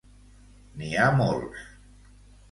N'hi ha molts.